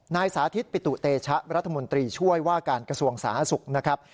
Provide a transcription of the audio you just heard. สาธิตปิตุเตชะรัฐมนตรีช่วยว่าการกระทรวงสาธารณสุขนะครับ